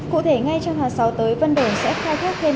cụ thể ngay trong hàng sáu tới văn đồn sẽ khai thác thêm